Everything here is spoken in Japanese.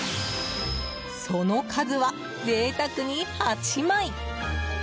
その数は、贅沢に８枚。